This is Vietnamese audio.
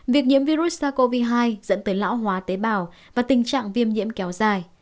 việc nhiễm virus sars cov hai dẫn tới lão hóa tế bào và tình trạng viêm nhiễm kéo dài